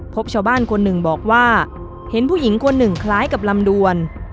พบชาวบ้านคนหนึ่งบอกว่าเห็นผู้หญิงคนหนึ่งคล้ายกับลำดวน